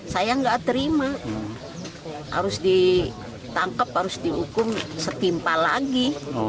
saya nggak terima harus ditangkap harus dihukum setimpa lagi